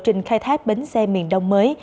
lộ trình khai thác bến xe miền đông mới